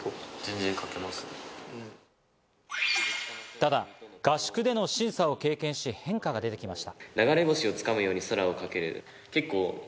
ただ合宿での審査を経験し、変化が出てきました。